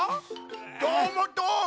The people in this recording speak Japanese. どーもどーも？